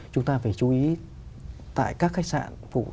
chúng ta phải chú ý tại các khách sạn